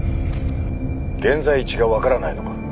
現在地が分からないのか？